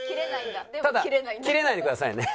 ただキレないでくださいね。